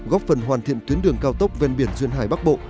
góp phần hoàn thiện tuyến đường cao tốc ven biển duyên hải bắc bộ